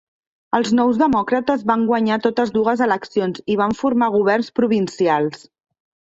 Els Nous Demòcrates van guanyar totes dues eleccions i van formar governs provincials.